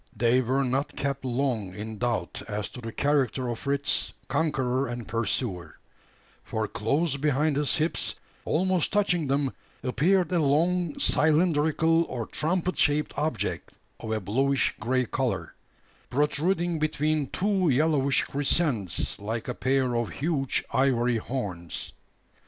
They were not kept long in doubt as to the character of Fritz's conqueror and pursuer: for close behind his hips, almost touching them, appeared a long, cylindrical, or trumpet shaped object, of a bluish grey colour, protruding between two yellowish crescents, like a pair of huge ivory horns.